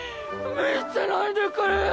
見捨てないでくれよ！